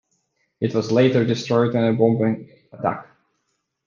It was later destroyed in a bombing attack.